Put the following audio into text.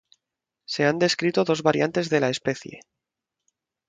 Se han descrito dos variantes de la especie.